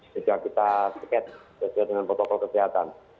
sehingga kita sesuai dengan protokol kesehatan